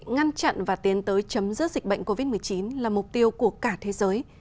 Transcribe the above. ngăn chặn và tiến tới chấm dứt dịch bệnh covid một mươi chín là mục tiêu của cả thế giới